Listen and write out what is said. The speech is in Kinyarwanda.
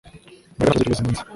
Mbaraga ntakibazo cyubuzima nzi